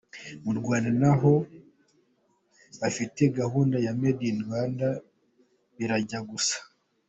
Mu Rwanda na ho bafite gahunda ya ‘Made in Rwanda’, birajya gusa.